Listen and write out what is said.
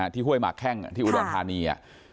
ที่ฮวยหมักแค้งที่อุดรทานี